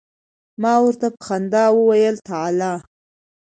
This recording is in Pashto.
ما ورته په خندا وویل تعال.